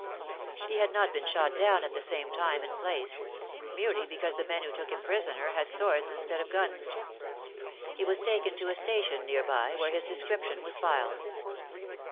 He had not been shot down at the same time and place, merely because the men who took him prisoner had swords instead of guns. He was taken to a station near by, where his description was filed.